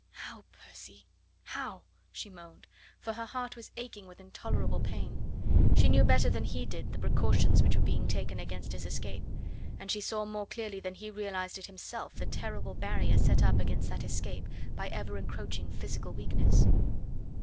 "How, Percy how?" she moaned, for her heart was aching with intolerable pain; she knew better than he did the precautions which were being taken against his escape, and she saw more clearly than he realised it himself the terrible barrier set up against that escape by ever encroaching physical weakness.